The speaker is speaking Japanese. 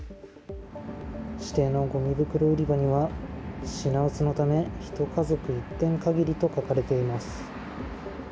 指定のごみ袋売り場には、品薄のため、１家族１点限りと書かれています。